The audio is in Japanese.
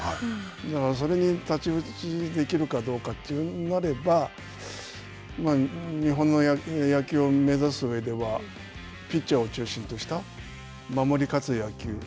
だから、それに太刀打ちできるかどうかとなれば、日本の野球を目指す上ではピッチャーを中心とした守り勝つ野球。